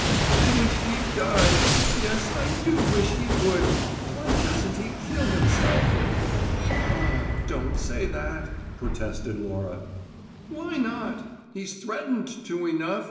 I wish he'd die! Yes, I do wish he would! Why doesn't he kill himself?" "Ah, don't say that," protested Laura. "Why not? He's threatened to enough.